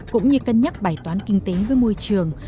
cũng như cân nhắc bài toán kinh tế với môi trường